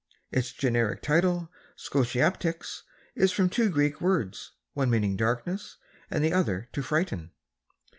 Its generic title, Scotiaptex, is from two Greek words, one meaning darkness and the other to frighten.